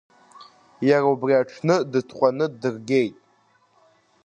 Иара убри аҽны дыҭҟәаны дыргеит.